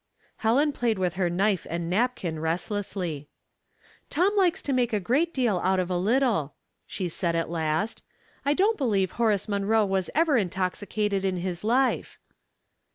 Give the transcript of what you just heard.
Helen played with her knife and napkin restlessly. " Tom likes to make a great deal out of a little," she said at last. "I don't believe Horace Munroe was ever intoxicated in his life."